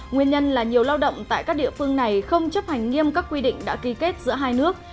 nguyên nhân là nhiều lao động tại các địa phương này không chấp hành nghiêm các quy định đã ký kết giữa hai nước